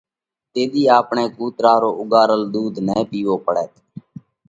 تيۮِي آپڻئہ ڪُوترا رو اُوڳار ۮُوڌ نئين پِيوو پڙئہ۔